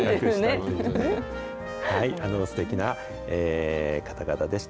すてきな方々でした。